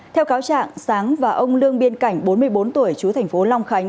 theo cáo trạng sáng và ông lương biên cảnh bốn mươi bốn tuổi chú thành phố long khánh